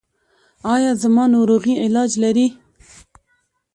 ایا زما ناروغي علاج لري؟